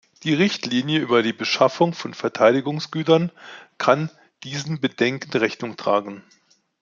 Die Richtlinie über die Beschaffung von Verteidigungsgütern kann diesen Bedenken Rechnung tragen.